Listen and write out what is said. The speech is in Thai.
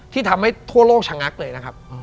ที่ทำให้ทั่วโลกชะงักเลยนะครับ